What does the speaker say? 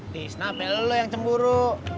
disini beli lo yang cemburu